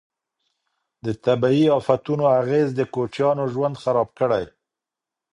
د طبیعي افتونو اغیز د کوچیانو ژوند خراب کړی.